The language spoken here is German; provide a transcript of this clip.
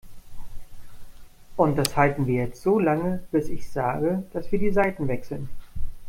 Und das halten wir jetzt so lange, bis ich sage, dass wir die Seiten wechseln.